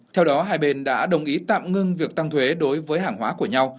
theo đó hai bên đã đồng ý tạm ngưng việc tăng thuế đối với hàng hóa của nhau